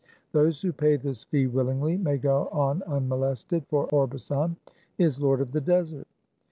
Those who pay this fee willingly, may go on unmo lested ; for Orbasan is lord of the desert."